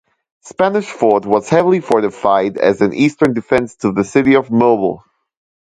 Spanish Fort was heavily fortified as an eastern defense to the city of Mobile.